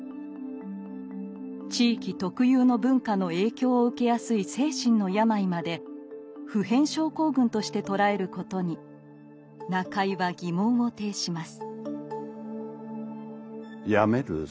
地域特有の文化の影響を受けやすい精神の病まで「普遍症候群」として捉えることに中井は疑問を呈します。